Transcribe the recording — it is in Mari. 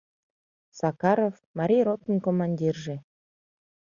Сакаров — Марий ротын командирже.